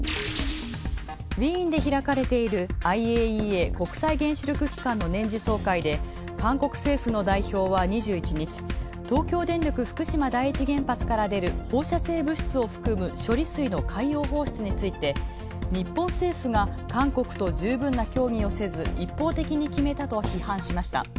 ウィーンで開かれているＩＡＥＡ＝国際原子力機関の年次総会で韓国政府の代表は２１日、東京電力福島第１原発から出る放射性物質を含む処理水の海洋放出について、日本政府が韓国と十分な協議をせず、一方的に決めたと批判しました。